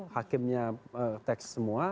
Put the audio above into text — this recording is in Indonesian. hakimnya tekst semua